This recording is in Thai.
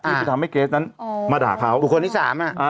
ที่ไปทำให้เกรสนั้นมาด่าเขาบุคคลที่สามอ่ะ